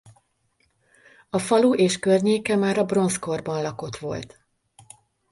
A falu és környéke már a bronzkorban lakott volt.